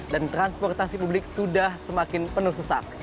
dan transportasi publik sudah semakin penuh sesak